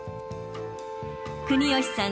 国吉さん